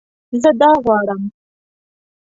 زه دا غواړم